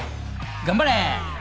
頑張れー